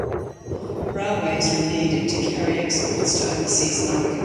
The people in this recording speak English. Railways were needed to carry exports to overseas markets.